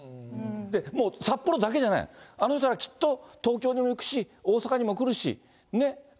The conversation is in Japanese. で、もう札幌だけじゃない、あの人ら、きっと東京にも行くし、大阪にも来るし、ね？